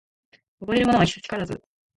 おごれるものは久しからず